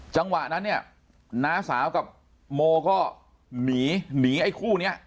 จังหวะนั้นเนี่ยน้าสาวกับโมก็หนีหนีไอ้คู่นี้